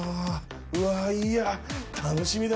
うわいいや楽しみだ。